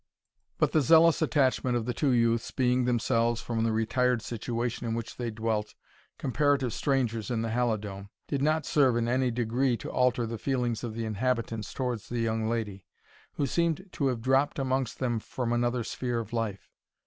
But the zealous attachment of the two youths, being themselves, from the retired situation in which they dwelt, comparative strangers in the Halidome, did not serve in any degree to alter the feelings of the inhabitants towards the young lady, who seemed to have dropped amongst them from another sphere of life.